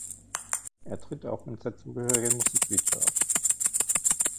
Er tritt auch im dazugehörigen Musikvideo auf.